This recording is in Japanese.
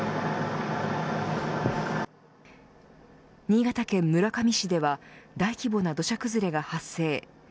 新潟県村上市では大規模な土砂崩れが発生。